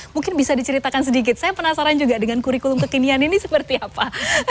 mungkin bisa diceritakan sedikit saya penasaran juga dengan kurikulum kekinian ini seperti apa